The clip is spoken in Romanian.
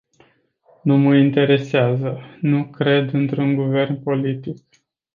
Nu mă interesează, nu cred într-un guvern politic.